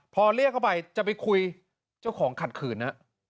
พอเรียกเข้าไปจะไปคุยเจ้าของขัดขืนนะ